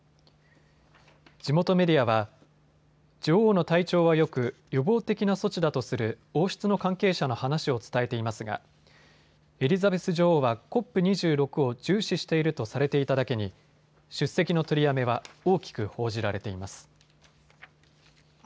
地元メディアは女王の体調はよく予防的な措置だとする王室の関係者の話を伝えていますがエリザベス女王はＣＯＰ２６を重視しているとされていただけに出席の取りやめは大きく報じられています。